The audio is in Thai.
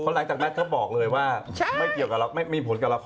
คนแรกจากแรกเขาบอกเลยว่าไม่เกี่ยวกับเราไม่มีผลกับละคร